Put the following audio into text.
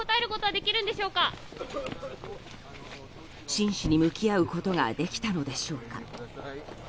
真摯に向き合うことができたのでしょうか。